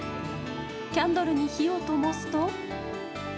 キャンドルに火をともすと。